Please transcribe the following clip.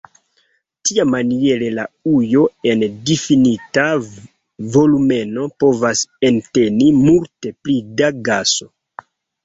Tiamaniere la ujo en difinita volumeno povas enteni multe pli da gaso.